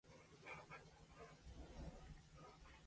空気をお尻から吸ってみます。